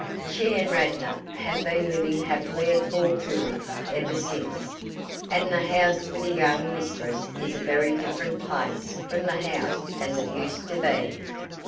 She and Radnor have been living happily at Four Pools ever since, and the house with a young mistress is a very different place from the house as it used to be.